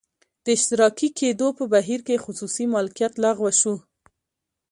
د اشتراکي کېدو په بهیر کې خصوصي مالکیت لغوه شو